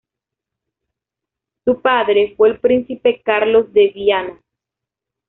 Su padre fue el príncipe Carlos de Viana.